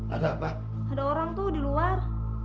ada orang tuh di luar